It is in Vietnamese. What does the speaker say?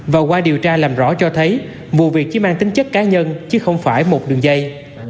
và qua điều tra làm rõ cho thấy vụ việc chỉ mang tính chất cá nhân chứ không phải một đường dây